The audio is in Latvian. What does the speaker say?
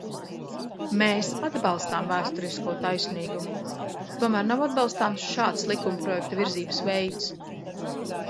Mēs atbalstām vēsturisko taisnīgumu, tomēr nav atbalstāms šāds likumprojekta virzības veids.